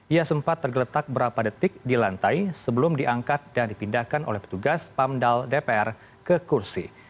ia sempat tergeletak berapa detik di lantai sebelum diangkat dan dipindahkan oleh petugas pamdal dpr ke kursi